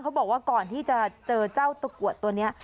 บอกว่าก่อนที่จะเจอเจ้าตะกรวดตัวนี้